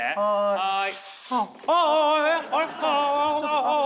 はい。